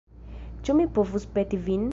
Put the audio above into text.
Ĉu mi povus peti vin?